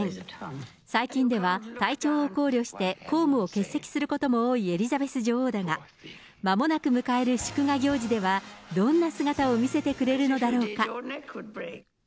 最近では体調を考慮して、公務を欠席することも多いエリザベス女王だが、まもなく迎える祝賀行事ではどんな姿を見せてくれるのだろうか。